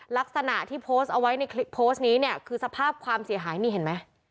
ลักษณะที่โพสต์เอาไว้ในโพสต์นี้เนี่ยคือสภาพความเสียหายนี่เห็นไหม